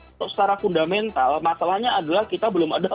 kalau secara fundamental masalahnya adalah kita belum ada